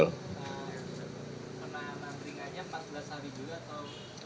pak tadi ada dua yang